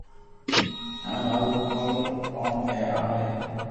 ھمي مارو ڪوم اي آ ھي